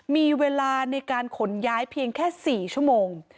มีเวลาในการขนย้ายเพียงแค่๔ชั่วโมง